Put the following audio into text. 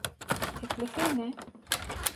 Teklifin ne?